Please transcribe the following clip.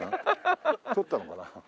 撮ったのかな？